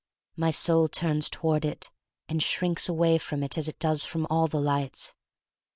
My soul turns toward it and shrinks away from it as it does from all the lights.